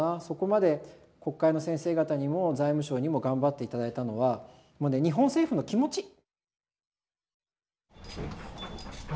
そこまで国会の先生方にも財務省にも頑張っていただいたのは日本政府の気持ち。